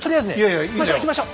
行きましょ。